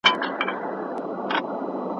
ټولنيز نظريات په ټپه ولاړ وو.